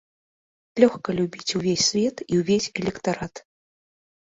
Лёгка любіць увесь свет і ўвесь электарат.